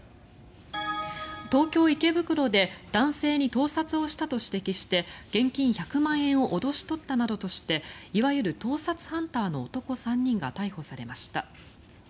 東京・池袋で男性に盗撮をしたと指摘して現金１００万円を脅し取ったなどとしていわゆる盗撮ハンターの男３人が逮捕されました。